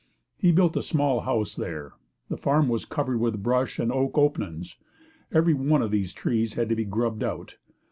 He built a small house there. The farm was covered with brush and "oak openins". Everyone of these trees had to be grubbed out.